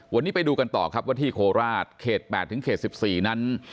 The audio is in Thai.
วันนี้ไปดูกันต่อครับว่าที่โคราชเขต๘ถึงเขต๑๔นั้น